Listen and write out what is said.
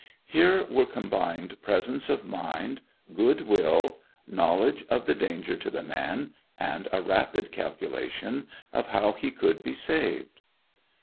Here were combined presence of mind, good will, knowledge of the danger to the man, and a rapid calculation of how he could be saved.